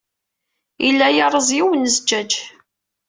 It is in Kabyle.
Yella yerreẓ yiwen n zzǧaǧ.